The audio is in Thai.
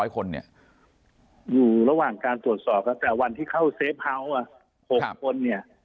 อยู่ระหว่างการตรวจสอบแต่วันที่เข้าเซฟเฮาส์๖คน